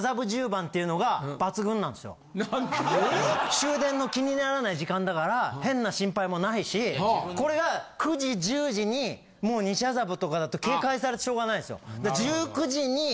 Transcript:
終電の気にならない時間だから変な心配もないしこれが９時１０時にもう西麻布とかだと警戒されてしょうがないですよ。